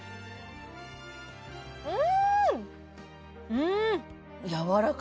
うん！